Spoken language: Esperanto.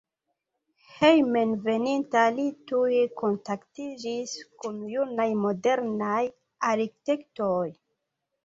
Hejmenveninta li tuj kontaktiĝis kun junaj modernaj arkitektoj.